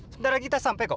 sebenarnya kita sampai kok